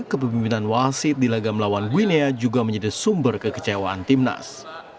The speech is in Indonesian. kepemimpinan wasit di lagam lawan winea juga menjadi sumber kekecewaan timnas